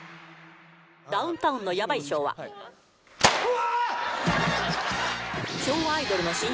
ダウンタウンのヤバい昭和うわ！